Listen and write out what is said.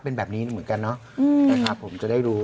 เป็นแบบนี้เหมือนกันน่ะจะได้รู้